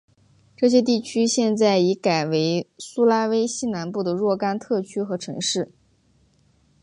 这些地区现在已改为苏拉威西南部的若干特区和城市。